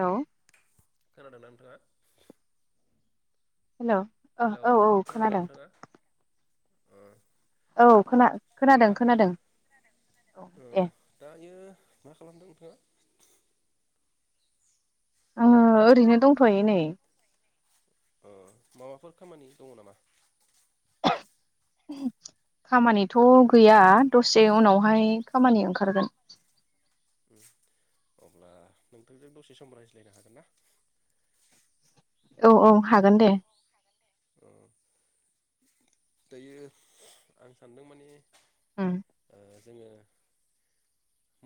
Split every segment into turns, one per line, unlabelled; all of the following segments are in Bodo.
हेल'
खोनादोंना नोंथाङा?
हेल'
हेलौ
औ औ
खोनादोंना
खोनादों
नोंथाङा ओ
औ खोना खोनादों
दा
खोनादों औ
ओ
दे
दायो मा खालामदों नोंथाङा?
नाङो ओरैनो दंथ'यो नै
अ माबाफोर खामानि दङ नामा?
खामानिथ' गैया दसे उनावहाय खामानि ओंखारगोन
अब्ला नोंथांजों दसे सम रायज्लायनो हागोन ना?
औ औ हागोन दे
दायो आं सानदों माने
उम
जोङो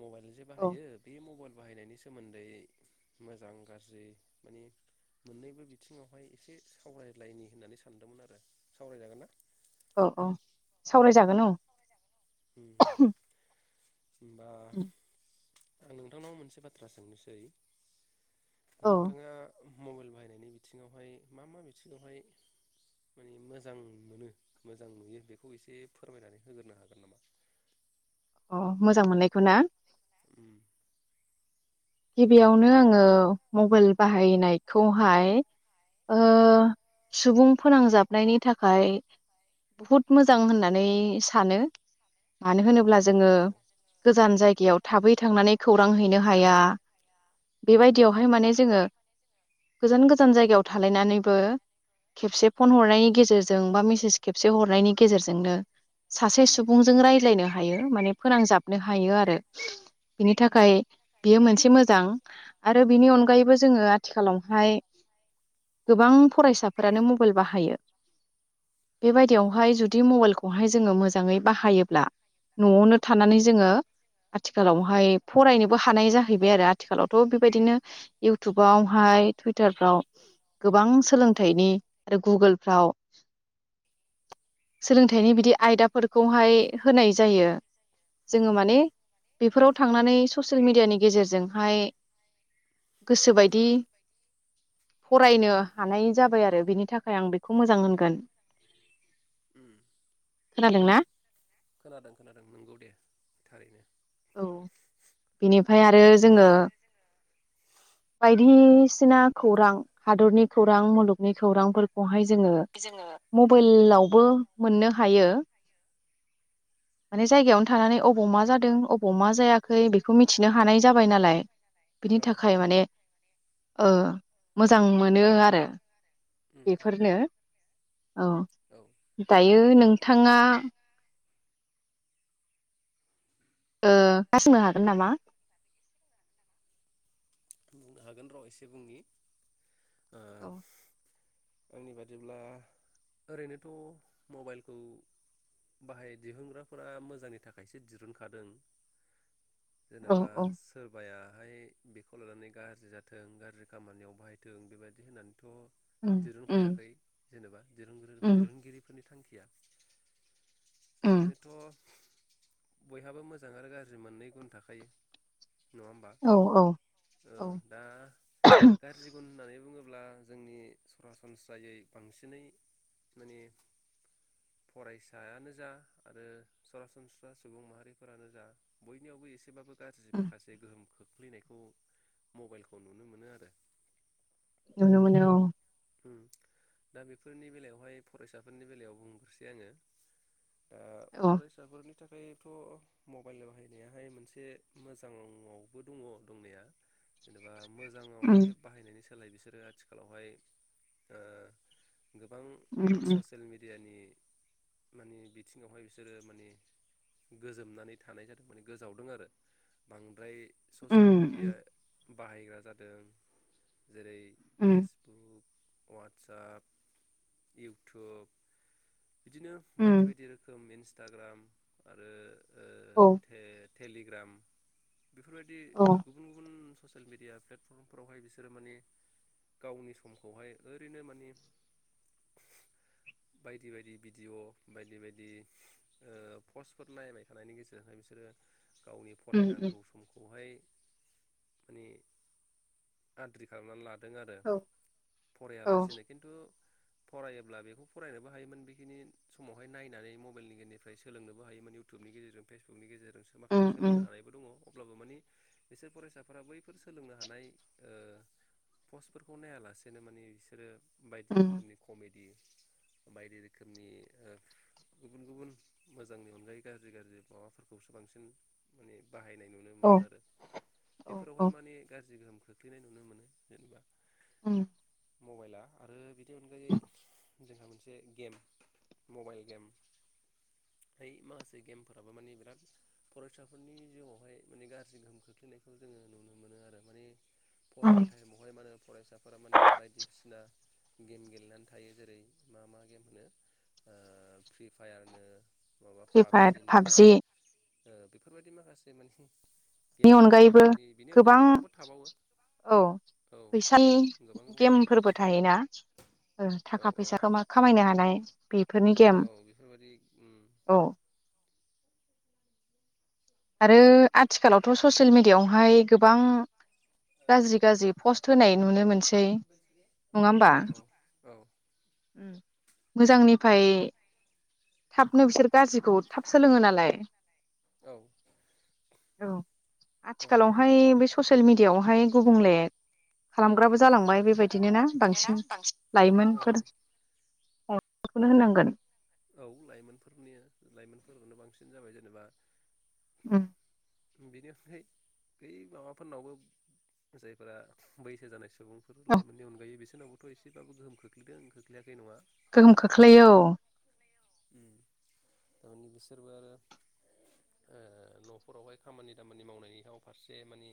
मबाइलखोजे
औ
बाहायो बे मबाइल बाहायनायनि सोमोन्दै मोजां गाज्रि माने मोननैबो बिथिङावहाय एसे सावरायलायनि होननानै सानदोंमोन आरो सावरायजागोन ना?
औ औ सावरायजागोन औ
उम होमबा आं नोंथांनाव मोनसे बाथ्रा सोंनोसै
औ
नोंथाङा मबाइल बाहायनायनि बिथिङावहाय मा मा बिथिङावहाय माने मोजां मोनो मोजां नुयो बेखौ एसे फोरमायनानै होग्रोनो हागोन नामा
अ मोजां मोननायखौ ना
उम
गिबियावनो आङो मबाइल बाहायनायखौहाय सुबुं फोनांजाबनायनि थाखाय बहुद मोजां होननानै सानो मानो होनोब्ला
औ
जोङो
औ
गोजान जायगायाव थाबै थांनानै खौरां हैनो हाया
औ
बेबायदियावहाय माने जोङो गोजान गोजान जायगायाव थालायनानैबो खेबसे फन हरनायनि गेजेरजों बा मेसेज खेबसे हरनायनि गेजेरजोंनो सासे
उम
सुबुंजों रायज्लायनो हायो माने फोनांजाबनो हायो हायो आरो बिनि थाखाय बियो मोनसे मोन से मोजां आरो बिनि अनगायैबो जोङो आथिखालावहाय गोबां फरायसाफोरानो मबाइल बाहायो
औ
बेबायदियावहाय जुदि मबाइलखौ खौहाय जोङो मोजाङै बाहायोब्ला न'आवनो थानानै जोङो आथिखालावहाय फरायनोबो हानाय जाहैयो बाय आरो आथिखालावथ' बेबायदिनो इउटुबावहाय टुइटारफ्राव गोबां सोलोंथाइनि आरो गुगोलफ्राव सोलोंथाइनि बिदि आयदाफोरखौहाय होनाय जायो जोङो माने बेफोराव थांनानै ससियेल मिडियानि गेजेरजोंहाय गोसोबायदि फरायनो हानाय जाबाय आरो बिनि थाखाय आं बेखौ मोजां होनगोन
ओम
खोनादोंना
खोनादों खोनादों नंगौ दे थारैनो
औ बिनिफ्राय आरो जोङो बायदिसिना खौरां हादरनि खौरां मुलुगनि खौरांफोरखौहाय जोङो मबाइलावबो मोननो हायो माने
औ
जायगायावनो थानानै अबाव मा जादों अबाव मा जायाखै बेखौ मिथिनो हानाय जाबाय नालाय बिनि
औ
थाखाय माने ओ मोजां मोनो आरो
उम उम उम
बेफोरनो औ
औ
दायो नोंथाङा ओ [unintelligible] हागोन नामा
बुंनो हागोन र' एसे बुंनि ओ
औ
आंनि बादिब्ला ओरैनोथ' मबाइलखौ बाहाय दिहुनग्राफोरा मोजांनि थाखायसो दिरुनखादों
औ
जेनेबा
औ
सोरबाया [unintelligible] खौ लानानै गाज्रि जाथों गाज्रि खामानियाव बाहायथों बेबायदि होननानै थ'
उम उम
दिरुनखायाखै जेनेबा
उम
दिरुनगिरिफोरनि थांखि [unintelligible]
उम
ओरैनोथ' बयहाबो मोजां आरो गाज्रि मोननै गुन थाखायो नङा होमबा
औ औ औ
दा गाज्रि गुन होननानै होननानै बुङोब्ला जोंनि सरासनस्रायै बांसिनै माने फरायसायानो जा आरो सरासनस्रा सुबुं माहारिफोरानो जा बयनियावबो एसेबाबो गाज्रि
उम
माखासे गोहोम खो खुलिनायखौ मबाइलखौ नुनो मोनो आरो
नुनो मोनो औ
दा बेफोरनि बेलायावहाय फरायसाफोरनि बेलायाव बुंग्रोसै आङो
औ
फरायसाफोरनि बिनि थाखायथ' मबाइल बाहायनायाहाय मोनसे मोजाङावबो दङ दंनाया जेनेबा
उम
मोजाङावहाय बाहायनायनि स सोलाय बिसोरो आथिखालावहाय ओ गोबां
उम उम
ससियेल मेडियानि माने बिथिङावहाय बिसोरो माने गोजोमनानै थानाय जादों माने गोजावदों आरो बांद्राय ससेेल
उम
मिडिया बाहायग्रा जादों जेरै
उम
फेसबुक अवाट्सएप, इउटउब बिदिनो
उम
बायदि बायदि रोखोम इन्स इन्सटाग्राम आरो
औ
टेललिग्राम बेफोरबायदि
औ
गुबुन गुबुन ससियेल मिडिया प्लेटफर्मफोरावहाय बिसोरो माने गावनि समखौहाय ओरैनो मानिे बायदि बायदि भिडिय' बायदि बायदि पस्टफोर नायबाय थानायनि गेजेरजोंहाय बिसोरो गावनि
उम उम
फरायनांगौ समखौहाय माने आद्रि खालामनानै लाद दों आरो
औ औ
फरायालासिनो खिन्थु फरायोब्ला बेखौ फरायनोबो हायोमोन बेखिनि समावहाय नायनानै मबाइलनि गेजेरनिफ्राय सोलोंनोबो हायोमोन इउटुबनि गेजेरजों फेसबुकनि गेजेरजों जों
उम
माखासे
उम
सोलोंनो हानायबो दङ अब्लाबो मानि बिसोर फरायसाफोरा बैफोर सोलोंनो हानाय ओ पस्टफोरखौ नायालासेनो नों मानिे बिसोरो बायदि
उम
रोखोमनि कमेनड बायदि रोखोमनि गुबुन गुबुन मोजांनि अनगायै गाज्रि गाज्रि माबाफोरखौसो बांसिन माने बाहायनाय नुनो मोनो
औ
आरो
औ
बेफोरावहाय
औ
मानिे गाज्रि गोहोम खोख्लैनाय नुनो मोनो जेनेबा
औ
मबाइला आरो बिदि नि अनगायै जोंहा मोनसे गेम मबाइल गेम ब माखासे गेमफोराबो माने बिराद फरायसाफोरनि जिउआवहाय माने गाज्रि गोहोम खोख्लैनायखौ जोङो नुनो मोनो आरो माने
उम
फरायनाय टाइमावहाय माने फरायसा फोरा माने बायदिसिना गेम गेलेनानै थायो जेरै मा मा गेम होनो फ्रि फायार नो
फ्रि फायार फाबजि
ओ बेफोरबायदि माखासे मानिे
नि अनगायैबो गोबां
गोबांफोर थाबावो
औ
औ
फैसाानि
गोबां दंबावो
गेमफोरबो थायोना ओ
औ
थाखा
औ
फैसाखौ मा खामायनो हानाय फाय बेफोरनि गेम
औ बेफोरबायदि उम
औ आरो आथिखालावथ' ससियेल मिडियायावहाय गोबां गाज्रि गाज्रि पस्ट होनाय नुनो मोनस सै नङा
औ
होमबा उम मोजांनिफ्राय थाबनो बिसोर गाज्रिखौ थाब सोलोङो नालाय
[inaudible]
औ
औ
आथिखालावहाय बे स ससियेल मिडियायावहाय गुबुंले खालामग्राबो जालांबाय
[unintelligible] औ
बेबायदि
औ औ
होननांगोन
लाइमोनफोरनिया लाइ फोरखौनो बांसिन जाबाय जेनेबा
उम
बेनि अनगायै बै माबाफोरनावबो जायफोरा बैसो जानाय सु सुबुंफोर लाइमोननि अनगायै बिसोरनावबोथ' एसेबाबो गोहोम खोख्लैदों खोख्लैयै नङा
गोहोम खोख्लैयो औ
उम थारमानि बिसोरबो आरो ओ न'फोरावहाय खामानि दामानि मावनायनि हाव फारसे माने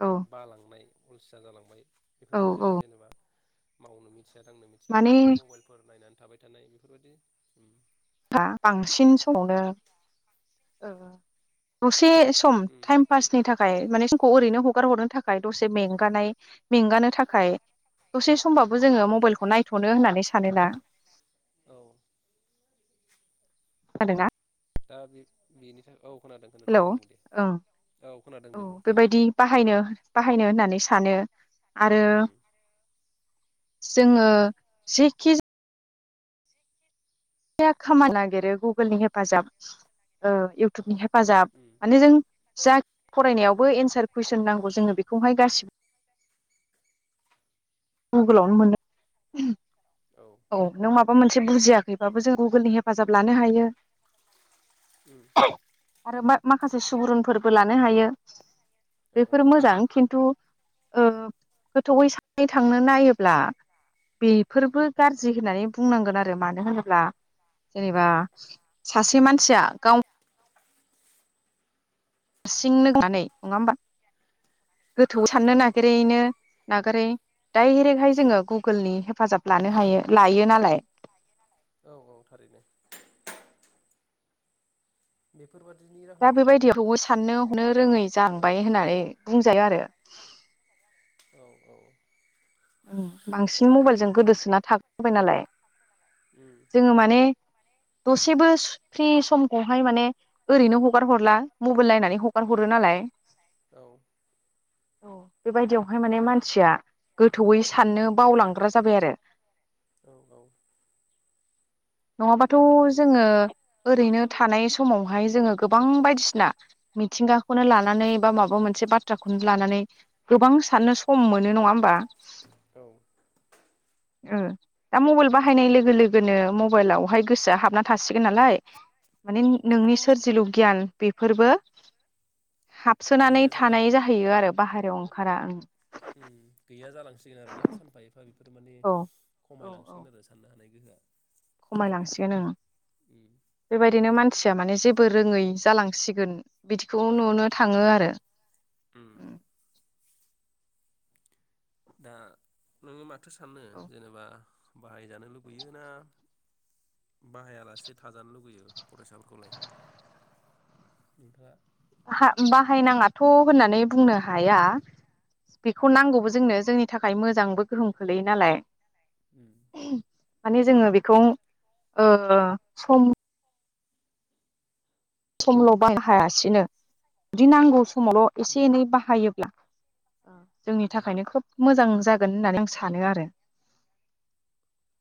औ
बालांनाय अलसिया जालांबाय
औ
बेफोरबायदि जाबाय
औ
जेनबा मावनो मो थिया दांनो मिथिया माने मबाइलफोर नायनानै थाबाय थानाय बेफोरबायदि उम
दा बांसिन समावनो ओ दसे सम
उम
टाइम पासनि थाखाय माने खौ ओरैनो हगार हरनो थाखाय दसे मेंगानाय मेंगानो थाखाय दसे समबाबो जोङो मबाइलखौ नायथ'नो होननानै सानोना
औ
[unintelligible]
दा बे बेनि था
हेल' ओं
खोनादों
औ
दे बुं
बेबायदि बाहायनो बाहायनो होननानै सा सानो आरो
उम
जोङो जिखि या खामा नागिरो गुगोलनि हेफाजाब ओ इउटुबनि हे फाजाब
उम
माने जों जा फरायनायावबो एन्सार कुइसन नांगौ जोङो बेखौहाय गासि
औ
गुगोलावनो मोनो औ नों माबा मेबा मोन बुजियाखैबाबो जों गुगोलनि हेफाजाब लानो हायो।
उम
आरो माखासे सुबुरुनफोरबो लानो हायो।
औ
बेफोरो मोजां खिन्थु ओ गोथौै सानै थांनो नायोब्ला बेफोरबो गाज्रि होननानै बुंनांगोन आरो मानो होनोब्ला जेनेबा सासे मानसिया गाव हारसिं नोंनानै नङा होबा गोथौवै साननो
औ
नागिरहैनो नागारै डाइरेक्टहाय जोंङो गुगोलनि हेफाजाब लानो हायो लायो नालाय
औ - औ थारैनो [unintelligible]
दा
जाहोनावबो माने
बेबायदिखौबो साननो हनो रोङै
औ
जांबाय होननानै बुंजायो आरो
औ - औ
ओ बांसिन
माने
मबाइलजों गोदोसोना थाग जाबाय नालाय
उम
जोंङो माने दसेबो फ्रि समखौहाय माने ओरैनो हगार हरला मबाइल नायनानै हगार हरो नालाय
औ
औ बेबायदियावहाय माने मानसिया गोथौयै साननो बावलांग्रा जाबाय आरो
औ - औ
नङाबाथ'
थारैनो नंगौ
जोंङो ओरैनो थानाय समावहाय जोंङो गोबां बायदिसिना मिथिंगाखौनो लानानै बा माबा मोनसे बाथ्राखौनो लानानै गोबां साननो सम मोनो नंङा होमबा
औ
ओ दा मबाइल बाहायनाय लोगो लोगोनो म मबाइलावहाय गोसोआ हाबना थासिगोन नालाय माने
औ
नोंनि सोरजलु गियान बे फोरबो हाबसोनानै
गैया जालाङो
थानाय जाहैयो आरो बाहेरायाव खारारा ओं
ओम गैया जालांसिगोन आरो ना सानफा एफा बेफोर माने
औ
खमायलांसिगोन आरो साननो हानाय बिदिनो
खमायलां सिगोन ओं
उम
बेबायदिनो मानसि [unintelligible] माने जेबो रोंङै जालांसिगोन बिदिखौ नुनो थांङो आरो
ओम दा नों मा थो सानो जेनेबा बाहायजानो लुुबैयो ना बाहायालासे थाजानो लुुबैयो फरायसाफोरखौलाय नोंथाङा
बाहायनाङाथ' होननानै बुंनो हाया बेखौ नांगौबो जोंनो जोंनि थाखाय मोजांबो गोहोम खोलैयो नालाय
[inaudible]
माने जोङो बेखौ सम सम [unintelligible] बाहायासिनो बिदि नांगौ समावल' एसे
उम
एनै बाहायोब्ला जोंनि
औ
थाखायनो खोब मोजां जागोन होननानै आं सानो आरो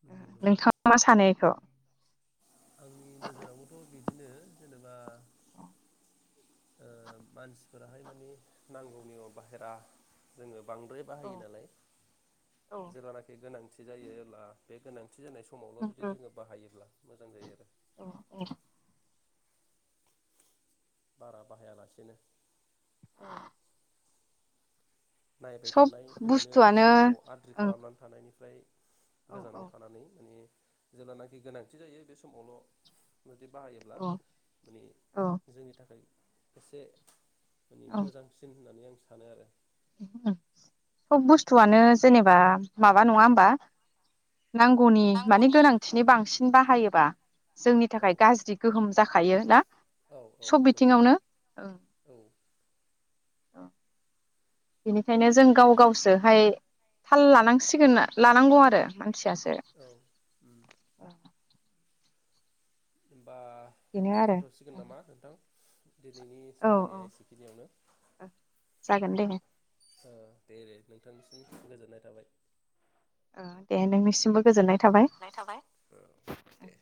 नंगौ नंगौ
नोंथाङा मा सानो बेखौ
आंनि नोजोरावबोथ' बिदिनो जेनेबा मानसिफोराहाय माने नांगौनि बाहेरा जोङो बांद्राय बाहायो नालाय जेब्लानाखि गोनांथि गोनांथि जायो अब्ला बे गोनांथि गोनांथि जानाय समावल'
उम
जुदि जोङो बाहायोब्ला मोजां जायो आरो
उम
बारा बाहायालासेनो नायबाय
सब
थानाय ओरैनो
बुस्थुआनो
समखौ आद्रि
ओं
खालामनानै थानायनिफ्राय
औ
गोजानाव थानानै माने जेब्लानाखि गोनांथि जायो बे समावल' जुदि बाहायोब्ला
औ
माने जोंनि थाखाय एसे माने मोजांसिन होननानै आं सानो आरो
ह सब
उम
बुस्थुआनो जेनेबा माबा नङा होमबा नांगौनि माने
नांगौनि
गोनांथिनि बांसिन नों बाहायोबा जोंनि
औ
थाखाय गाज्रि गोहोम जाखायो ना
औ औ
सब
नंगौ
बिथिङावनो
औ
बेनिखायनो जों
औ
गाव गावसोहाय थाल लानांसिगोन लानांगौ आरो
औ उम
[unintelligible]
बा
बेनो आरो
जाथ'सिगोन नामा नोंथां दिनैनि
औ
सावरायनाया एसेखिनियावनो
जागोन दे
अ दे दे नोंथांनिसिम गोजोननाय थाबाय
दे नोंनिसिमबो गोजोननाय थाबाय
नाय थाबाय दे